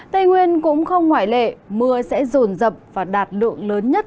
tây nguyên cũng không ngoại lệ mưa sẽ rồn rập và đạt lượng lớn nhất